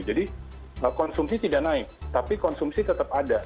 jadi konsumsi tidak naik tapi konsumsi tetap ada